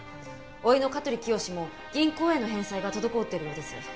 甥の香取清も銀行への返済が滞っているようです。